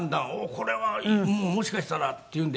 これはもしかしたらっていうんで。